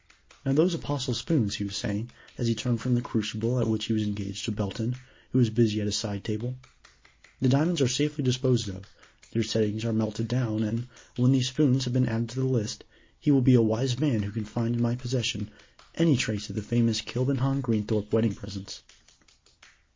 "Now those Apostle spoons," he was saying, as he turned from the crucible at which he was engaged to Belton, who was busy at a side table. "The diamonds are safely disposed of, their settings are melted down, and, when these spoons have been added to the list, he will be a wise man who can find in my possession any trace of the famous Kilbenham Greenthorpe wedding presents."